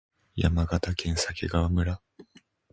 山形県鮭川村